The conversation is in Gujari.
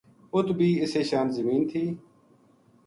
اُت بھی اِسے شان زمین تھی